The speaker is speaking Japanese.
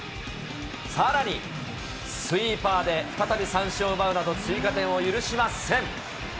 さらにスイーパーで再び三振を奪うなど、追加点を許しません。